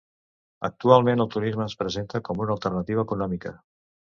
Actualment, el turisme es presenta com una alternativa econòmica.